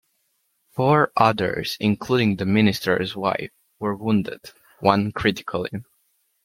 Four others, including the minister's wife, were wounded, one critically.